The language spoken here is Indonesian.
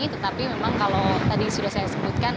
tetapi memang kalau tadi sudah saya sebutkan